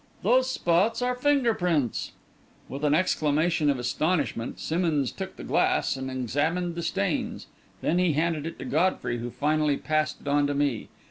"Those spots are finger prints." With an exclamation of astonishment, Simmonds took the glass and examined the stains; then he handed it to Godfrey, who finally passed it on to me.